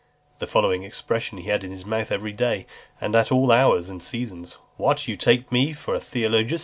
The following expressions he had in his mouth every day, and at all hours and seasons: "What! do you take me for a Theogonius?"